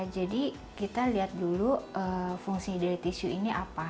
jadi kita lihat dulu fungsi dari tisu ini apa